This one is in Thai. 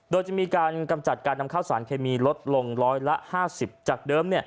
โดยจะมีการกำจัดการนำข้าวสารเคมีลดลงร้อยละ๕๐จากเดิม